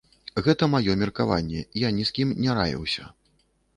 Гэта маё меркаванне, я ні з кім не раіўся.